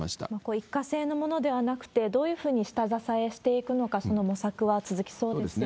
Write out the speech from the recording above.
一過性のものではなくて、どういうふうに下支えしていくのか、その模索は続きそうですよね。